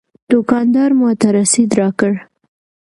دوکاندار ماته رسید راکړ.